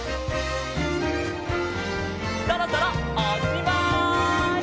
そろそろおしまい！